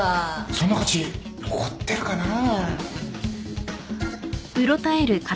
そんな価値残ってるかなぁ？